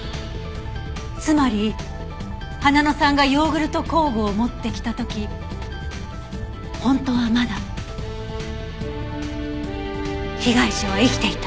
つまり花野さんがヨーグルト酵母を持ってきた時本当はまだ被害者は生きていた？